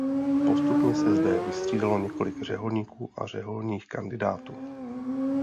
Postupně se zde vystřídalo několik řeholníků a řeholních kandidátů.